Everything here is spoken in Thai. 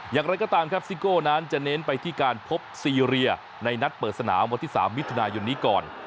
อย่างไรก็ตามครับซิโก้นั้นจะเน้นไปที่การพบซีเรียในนัดเปิดสนามวันที่๓มิถุนายนนี้ก่อน